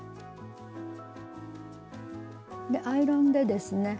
アイロンでですね